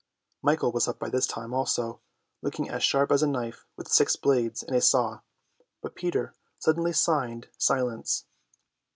Michael was up by this time also, looking as sharp as a knife with six blades and a saw, but Peter suddenly signed silence.